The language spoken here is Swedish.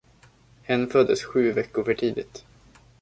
Hen föddes sju veckor för tidigt.